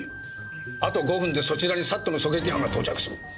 あと５分でそちらにＳＡＴの狙撃班が到着する。